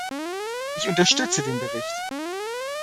Ich unterstütze den Bericht.